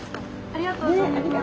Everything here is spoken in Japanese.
ありがとうございます。